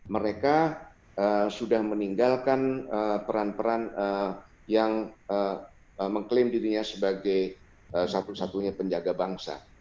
mereka sudah meninggalkan peran peran yang mengklaim dirinya sebagai satu satunya penjaga bangsa